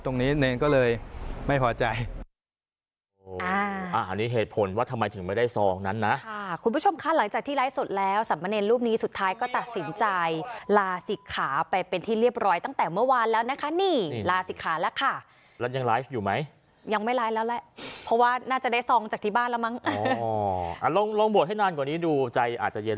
ตรงนี้เนรก็เลยไม่พอใจ